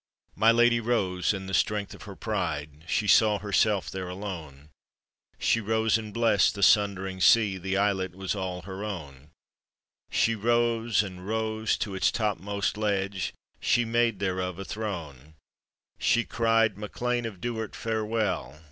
My lady rose in the strength of her pride, She saw herself there alone — She rose and blest the sundering sea, The islet was all her own ; She rose and rose to its topmost ledge — She made thereof a throne; — She cried: " MacLean of Duard, farewell!